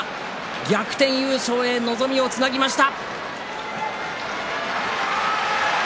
逆転優勝へ望みをつなぎました。